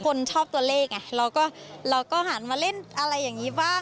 คนชอบตัวเลขเราก็หามาเล่นอะไรอย่างนี้บ้าง